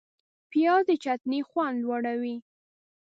پیاز د چټني خوند لوړوي